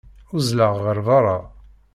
Uzzleɣ ɣer berra.